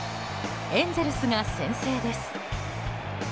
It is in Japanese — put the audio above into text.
エンゼルスが先制です。